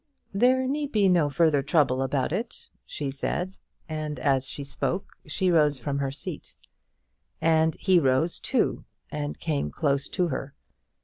"There need be no further trouble about it," she said; and as she spoke she rose from her seat. And he rose, too, and came close to her.